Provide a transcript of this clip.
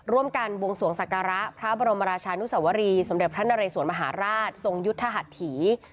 บวงสวงศักระพระบรมราชานุสวรีสมเด็จพระนเรสวนมหาราชทรงยุทธหัสถี